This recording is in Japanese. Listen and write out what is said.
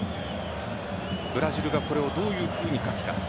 ブラジルがこれをどのように勝つか。